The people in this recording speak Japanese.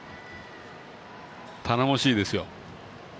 頼もしいですよ。